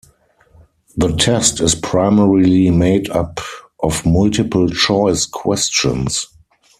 The test is primarily made up of multiple choice questions.